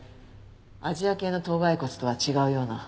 アジア系の頭蓋骨とは違うような。